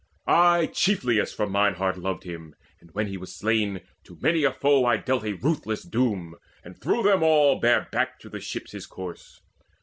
I chiefliest From mine heart loved him, and when he was slain, To many a foe I dealt a ruthless doom, And through them all bare back to the ships his corse.